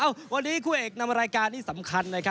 วันนี้คู่เอกนำรายการนี้สำคัญนะครับ